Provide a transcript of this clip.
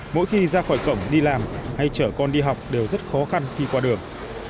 mỗi khi ra khỏi cổng đi làm hay chở con đi học đều rất khó khăn khi qua đường